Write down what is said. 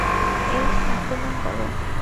এইস, আক্রমণ করো।